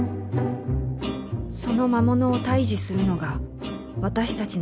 その魔物を退治するのが私たちの仕事。